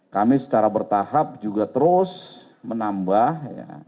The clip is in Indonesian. kami secara bertahap juga terus menambah